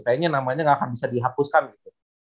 kayaknya namanya nggak akan bisa dihapuskan gitu